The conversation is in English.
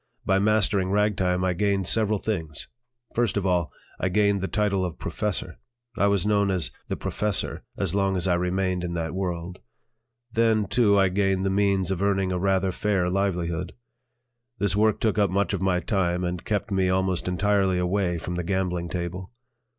By mastering ragtime I gained several things: first of all, I gained the title of professor. I was known as "the professor" as long as I remained in that world. Then, too, I gained the means of earning a rather fair livelihood. This work took up much of my time and kept me almost entirely away from the gambling table.